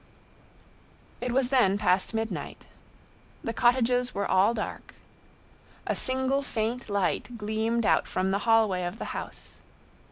It was then past midnight. The cottages were all dark. A single faint light gleamed out from the hallway of the house.